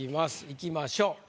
いきましょう。